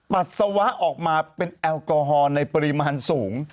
ปัสสาวะออกมาเป็นแอลกอฮอล์ในปริมาณสูง